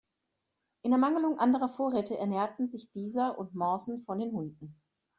In Ermangelung anderer Vorräte ernährten sich dieser und Mawson von den Hunden.